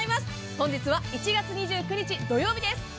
本日は１月２９日土曜日です！